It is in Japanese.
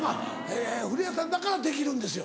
古谷さんだからできるんですよ。